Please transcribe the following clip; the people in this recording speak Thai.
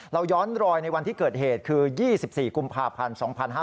เราย้อนรอยในวันที่เกิดเหตุคือ๒๔กุมภาพันธ์๒๕๕๙